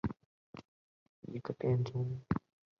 光果细苞虫实为藜科虫实属下的一个变种。